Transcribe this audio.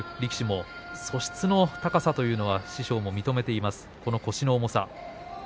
素質の高さというのは師匠も認めています、腰の重さ。